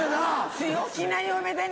強気な嫁でね